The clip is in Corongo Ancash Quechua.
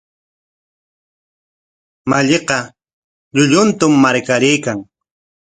Malliqa llulluntam marqaraykan.